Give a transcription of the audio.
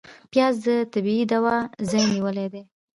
پیاز د طبعي دوا ځای نیولی دی